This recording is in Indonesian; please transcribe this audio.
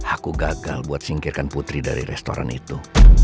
aku gagal buat singkirkan putri dari restoran itu